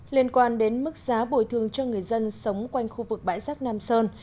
liên quan đến mức giá bồi thường cho người dân sống quanh khu vực bãi giác nam sơn